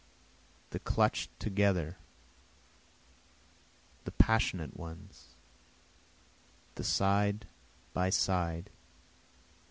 the clutch'd together! the passionate ones! The side by side!